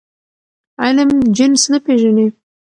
علم جنس نه پېژني.